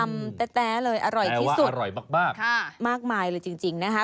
มากมายเลยจริงนะคะ